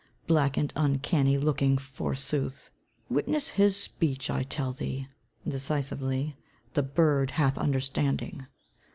Black and uncanny looking, forsooth! Witness his speech, I tell thee," decisively, "the bird hath understanding."